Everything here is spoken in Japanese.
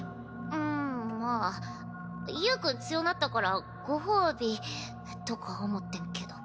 うんまあゆーくん強なったからご褒美とか思ってんけど。